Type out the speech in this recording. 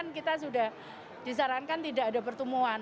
kita sudah disarankan tidak ada pertemuan